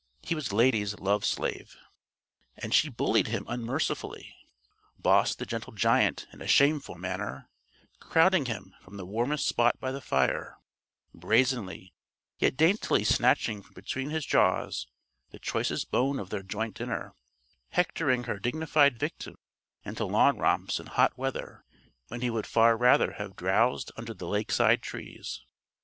He was Lady's life slave. And she bullied him unmercifully bossed the gentle giant in a shameful manner, crowding him from the warmest spot by the fire, brazenly yet daintily snatching from between his jaws the choicest bone of their joint dinner, hectoring her dignified victim into lawn romps in hot weather when he would far rather have drowsed under the lakeside trees.